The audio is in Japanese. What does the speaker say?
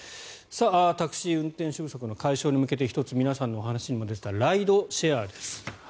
タクシー運転手不足の解消に向けて１つ、皆さんのお話にも出ていたライドシェアです。